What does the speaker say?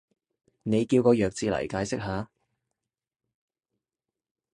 你叫個弱智嚟解釋下